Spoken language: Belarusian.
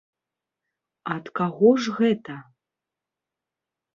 Ад каго ж гэта?